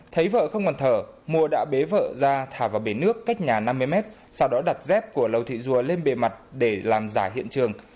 thấy vợ không còn thở mùa đã bế vợ ra thả vào bể nước cách nhà năm mươi mét sau đó đặt dép của lầu thị rùa lên bề mặt để làm giả hiện trường